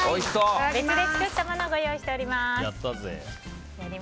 別で作ったものをご用意しています。